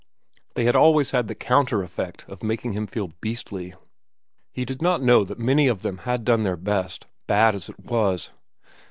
They had always had the counter effect of making him beastly. He did not know that many of them had done their best, bad as it was.